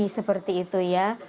seperti itu ya